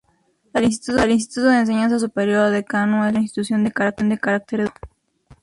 El Instituto de Enseñanza Superior de Kano es la principal institución de carácter educativo.